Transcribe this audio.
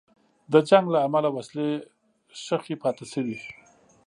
د جنګ له امله وسلې ښخي پاتې شوې.